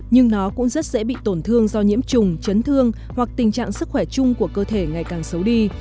nhưng nó cũng rất dễ bị tổn thương do nhiễm trùng chấn thương hoặc tình trạng sức khỏe chung của cơ thể ngày càng xấu đi